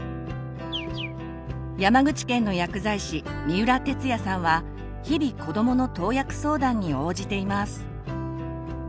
山口県の薬剤師三浦哲也さんは日々子どもの投薬相談に応じています。